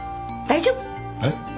えっ？